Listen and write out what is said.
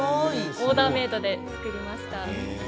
オーダーメードで作りました。